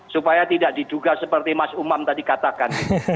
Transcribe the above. supaya tidak diduga seperti mas umam tadi katakan